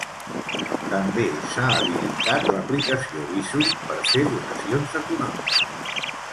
També s'ha habilitat l'aplicació Bizum per fer donacions econòmiques.